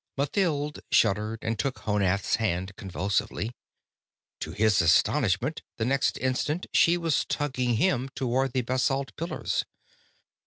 Mathild shuddered and took Honath's hand convulsively. To his astonishment, the next instant she was tugging him toward the basalt pillars.